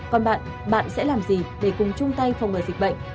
còn bạn bạn sẽ làm gì để cùng chung tay phòng người dịch bệnh